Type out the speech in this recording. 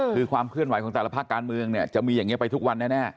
คือความเคลื่อนไหวของแต่ละภาคการเมืองเนี่ยจะมีอย่างนี้ไปทุกวันแน่